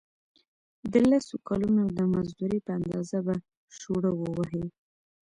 د لسو کلونو د مزدورۍ په اندازه به شوړه ووهي.